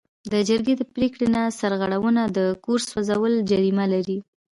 د جرګې د پریکړې نه سرغړونه د کور سوځول جریمه لري.